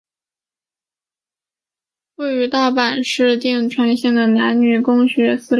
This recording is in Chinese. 是位于大阪市淀川区的男女共学私立幼儿园。